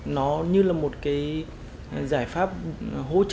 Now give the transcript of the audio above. nó như là một giải pháp hỗ trợ